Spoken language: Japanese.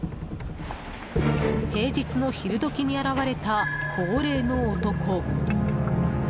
平日の昼時に現れた、高齢の男。